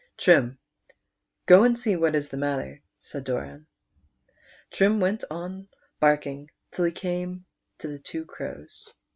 " Trim, go and see what is the matter," said Doran. Trim went on barking till he came to the two crows.